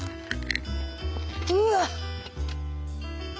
うわっ！